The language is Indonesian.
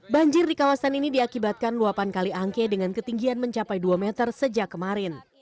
banjir di kawasan ini diakibatkan luapan kaliangke dengan ketinggian mencapai dua meter sejak kemarin